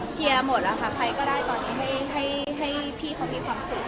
หมดแล้วค่ะใครก็ได้ตอนนี้ให้พี่เขามีความสุข